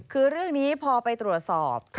คือเรื่องนี้พอไปตรวจสอบ